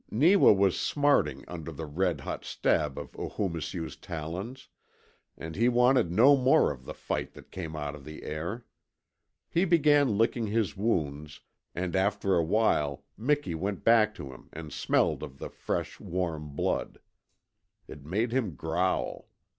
Neewa was smarting under the red hot stab of Oohoomisew's talons, and he wanted no more of the fight that came out of the air. He began licking his wounds, and after a while Miki went back to him and smelled of the fresh, warm blood. It made him growl.